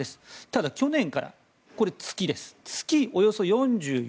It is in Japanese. ただ、去年からこれ、月です。